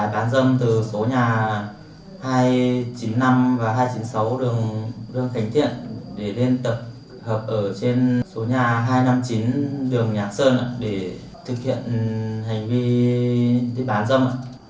để thực hiện hành vi đi bán dâm